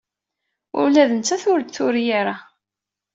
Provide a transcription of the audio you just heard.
Ula d nettat ur d-turi ara.